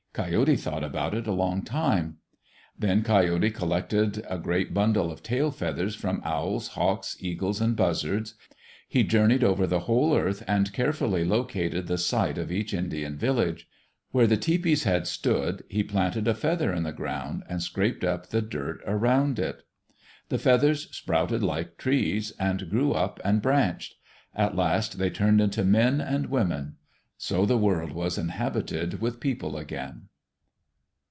Coyote thought about it a long time. Then Coyote collected a great bundle of tail feathers from owls, hawks, eagles, and buzzards. He journeyed over the whole earth and carefully located the site of each Indian village. Where the tepees had stood, he planted a feather in the ground and scraped up the dirt around it. The feathers sprouted like trees, and grew up and branched. At last they turned into men and women. So the world was inhabited with people again.